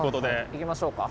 行きましょうか。